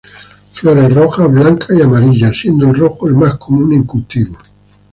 Flores rojas, blancas y amarillas, siendo el rojo el más común en cultivo.